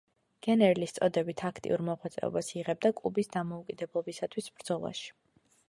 გენერლის წოდებით აქტიურ მოღვაწეობას იღებდა კუბის დამოუკიდებლობისათვის ბრძოლაში.